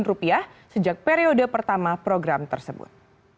rp sebelas delapan triliun sejak periode pertama program tersebut